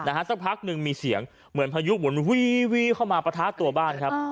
สักพักหนึ่งมีเสียงเหมือนพายุหมุนวีเข้ามาปะทะตัวบ้านครับ